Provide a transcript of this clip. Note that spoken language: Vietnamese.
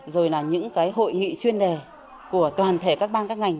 rồi là những cái hội nghị chuyên đề của toàn thể các bang các ngành